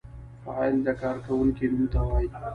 فاعل د کار کوونکی نوم ته وايي.